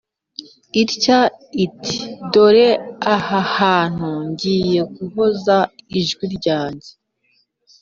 itya iti Dore aha hantu ngiye guhoza ijwi ryo